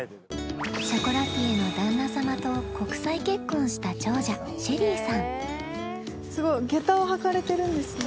ショコラティエの旦那様と国際結婚したすごいげたを履かれてるんですね。